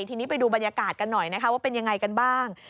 ทีนี้ไปดูบรรยากาศกันหน่อยนะคะว่าเป็นยังไงกันบ้าง